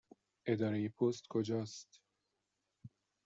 اداره پست کجا است؟